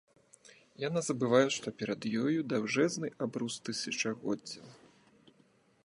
Яна забывае, што перад ёю даўжэзны абрус тысячагоддзяў.